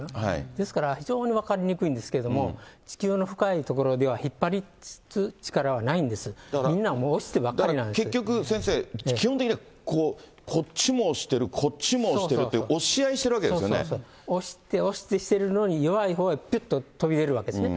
ですから、非常に分かりにくいんですけれども、地球の深い所には引っ張り力ないんです、みんな押してばっかりなだから結局先生、基本的にはこう、こっちも押してる、こっちも押してるって、押し合いしてる押して押してるのに、弱いほうがピュッと飛び出るわけですね。